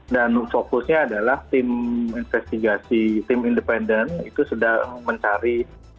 dan fokusnya adalah tim investigasi tim independen itu sedang mencari